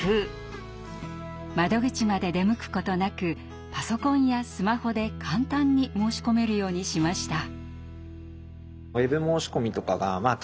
窓口まで出向くことなくパソコンやスマホで簡単に申し込めるようにしました。